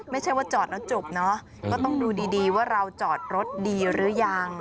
ไม่ใช่ว่าจอดแล้วจบเนอะก็ต้องดูดีว่าเราจอดรถดีหรือยัง